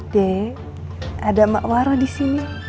de ada mak waro disini